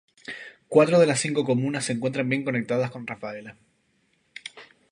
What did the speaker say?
Cuatro de las cinco comunas se encuentran bien conectadas con Rafaela.